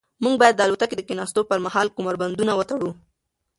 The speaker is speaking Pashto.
موږ باید د الوتکې د کښېناستو پر مهال کمربندونه وتړو.